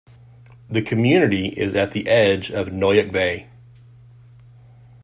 The community is at the edge of Noyac Bay.